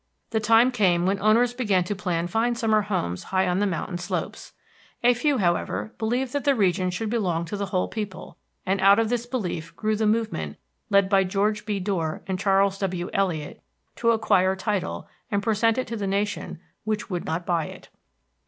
The time came when owners began to plan fine summer homes high on the mountain slopes. A few, however, believed that the region should belong to the whole people, and out of this belief grew the movement, led by George B. Dorr and Charles W. Eliot, to acquire title and present it to the nation which would not buy it.